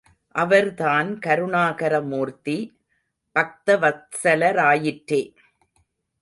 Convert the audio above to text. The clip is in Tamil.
அவர் தான் கருணாகர மூர்த்தி, பக்தவத்சல ராயிற்றே.